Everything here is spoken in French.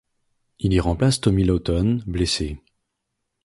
Il y remplace Tommy Lawton, blessé.